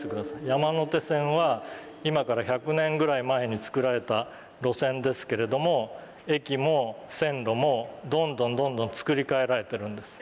山手線は今から１００年ぐらい前につくられた路線ですけれども駅も線路もどんどんどんどん作り替えられているんです。